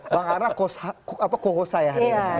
bang ara kohosa ya hari ini